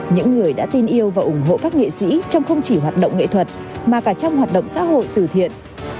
những người đã tin yêu và ủng hộ các nghệ sĩ trong không chỉ hoạt động nghệ thuật mà cả trong hoạt động xã hội từ thiện